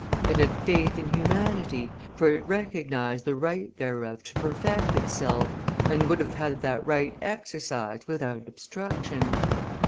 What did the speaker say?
It had faith in humanity, for it recognized the right thereof to perfect itself and would have had that right exercised without obstruction.